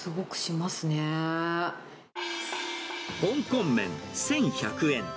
香港メン１１００円。